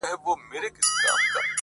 يوه ورځ يې كړ هوسۍ پسي آس پونده.!